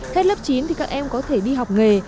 hết lớp chín thì các em có thể đi học nghề